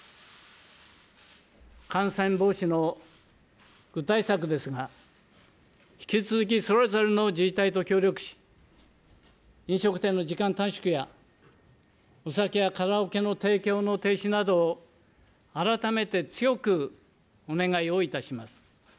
感染防止の具体策ですが、引き続きそれぞれの自治体と協力し、飲食店の時間短縮や、お酒やカラオケの提供の停止などを、改めて強くお願いをいたします。